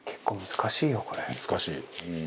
難しい。